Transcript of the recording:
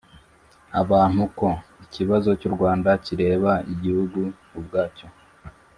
abantu ko ikibazo cy'u rwanda kireba igihugu ubwacyo.